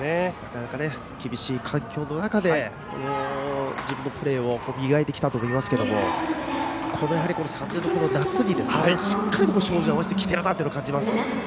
なかなか厳しい環境の中で自分のプレーを磨いてきたと思いますけどもこの３年の夏にしっかりと照準を合わせてきているなと感じます。